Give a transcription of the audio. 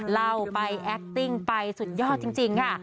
เล่าไปแอคติ้งไปสุดยอดจริงค่ะ